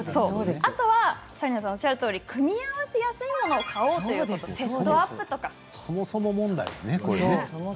あとは紗理奈さんのおっしゃるように組み合わせをしやすいものを買おうというものなんですね。